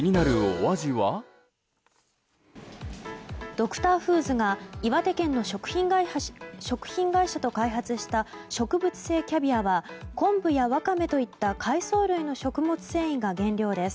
Ｄｒ．Ｆｏｏｄｓが岩手県の食品会社と開発した植物性キャビアは昆布やワカメといった海藻類の食物繊維が原料です。